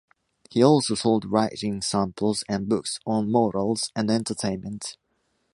He also sold writing samples and books on morals and entertainment.